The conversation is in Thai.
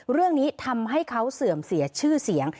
เรื่องนี้ทำให้เขาเสื่อมเสียชื่อเสียง